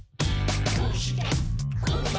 「どうして？